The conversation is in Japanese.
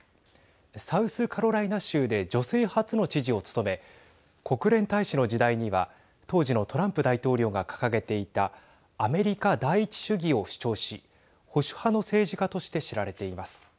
サウスカロライナ州で女性初の知事を務め国連大使の時代には当時のトランプ大統領が掲げていたアメリカ第一主義を主張し保守派の政治家として知られています。